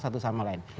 satu sama lain